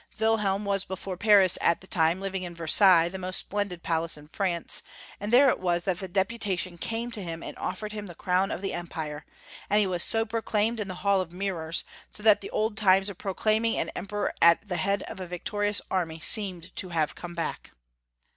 WUhelm was before Paris at the time, living in Versailles, the most splendid palace in France, and there it was that the deputation came to him and offered him the crown of the Empire, and he was proclaimed in the hall of mirrors, so that the old times of proclaiming an Emperor at the head of a victorious army seemed to have come back.